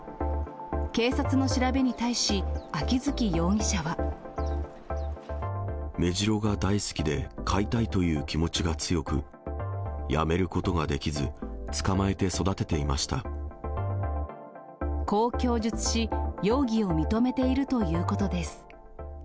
警察の調べに対し、メジロが大好きで、飼いたいという気持ちが強く、やめることができず、捕まえて育てていましこう供述し、容疑を認めているということです。